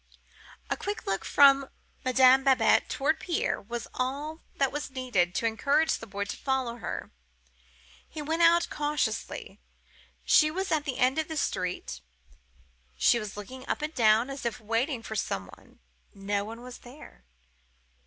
"A quick look from Madame Babette towards Pierre was all that was needed to encourage the boy to follow her. He went out cautiously. She was at the end of the street. She looked up and down, as if waiting for some one. No one was there.